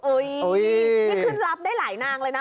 นี่ขึ้นรับได้หลายนางเลยนะ